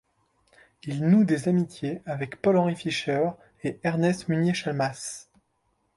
Ils nouent des amitiés avec Paul Henri Fischer et Ernest Munier-Chalmas.